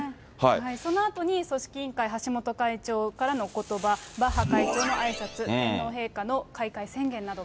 そのあとに、組織委員会、橋本会長からのことば、バッハ会長のあいさつ、天皇陛下の開会宣言